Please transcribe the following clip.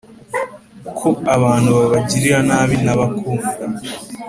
ko abantu babagirira nabi ntabakunda